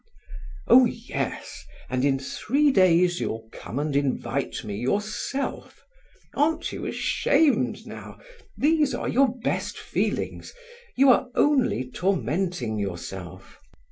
"Oh yes, and in three days you'll come and invite me yourself. Aren't you ashamed now? These are your best feelings; you are only tormenting yourself."